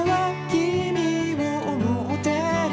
「きみを思ってる」